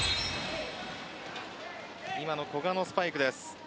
今の古賀のスパイクです。